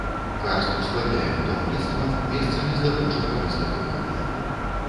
Карст ускладняе будаўніцтва, месцамі здабычу карысных выкапняў.